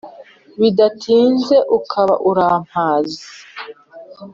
Bidatinze ukaba urampaze